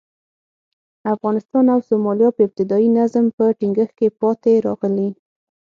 افغانستان او سومالیا په ابتدايي نظم په ټینګښت کې پاتې راغلي.